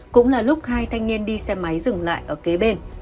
cũng là lúc hai thanh niên đi xe máy dừng lại ở kế bên